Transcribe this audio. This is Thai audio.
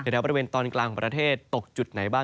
แล้วภาพบรรณีตอนกลางของประเทศตกจุดไหนบ้าง